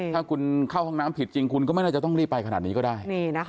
ถ้าคุณเข้าห้องน้ำผิดจริงคุณก็ไม่น่าจะต้องรีบไปขนาดนี้ก็ได้